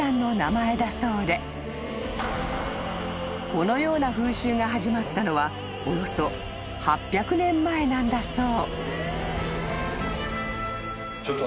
［このような風習が始まったのはおよそ８００年前なんだそう］